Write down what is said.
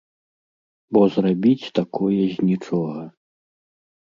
Бо зрабіць такое з нічога!